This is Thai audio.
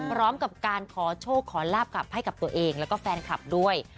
พร้อมกับการขอโชคขอราบกับตัวเองและแฟนคลับด้วย